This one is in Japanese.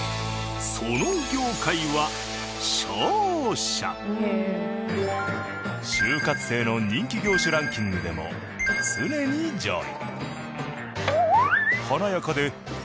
その業界は就活生の人気業種ランキングでも常に上位。